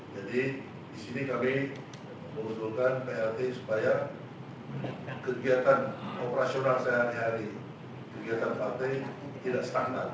jadi di sini kami membutuhkan plt supaya kegiatan operasional sehari hari kegiatan plt tidak stagnan